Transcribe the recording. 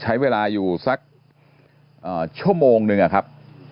ใช้เวลาอยู่สักชั่วโมงนึงอะครับ